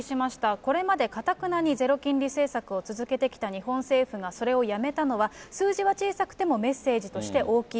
これまでかたくなにゼロ金利政策を続けてきた日本政府がそれをやめたのは、数字は小さくてもメッセージとして大きい。